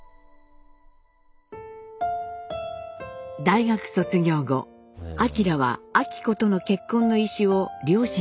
大学卒業後晃は昭子との結婚の意思を両親に伝えます。